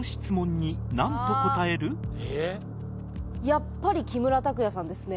「やっぱり木村拓哉さんですね」